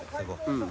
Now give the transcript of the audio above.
うん。